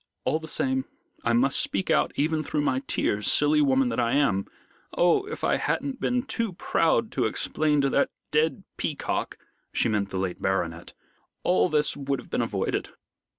"All the same, I must speak out even through my tears, silly woman that I am! Oh, if I hadn't been too proud to explain to that dead peacock" she meant the late baronet "all this would have been avoided."